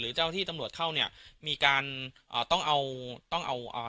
เจ้าที่ตำรวจเข้าเนี่ยมีการอ่าต้องเอาต้องเอาอ่า